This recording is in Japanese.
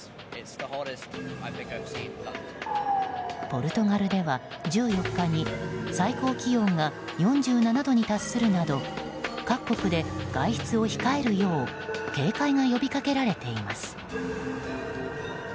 ポルトガルでは、１４日に最高気温が４７度に達するなど各国で外出を控えるよう警戒が呼びかけられています。